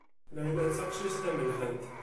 Layla d taqcict tamelḥant.